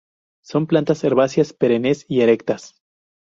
Son plantas herbáceas perennes y erectas.